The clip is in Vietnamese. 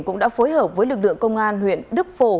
cũng đã phối hợp với lực lượng công an huyện đức phổ